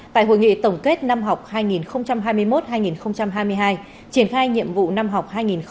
tại hội nghị tổng kết năm học hai nghìn hai mươi một hai nghìn hai mươi hai triển khai nhiệm vụ năm học hai nghìn hai mươi hai nghìn hai mươi một